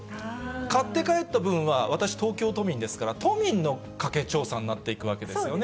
買って帰った分は、私、東京都民ですから、都民の家計調査になっていくわけですよね。